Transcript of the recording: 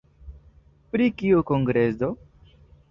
Pri kiu kongreso?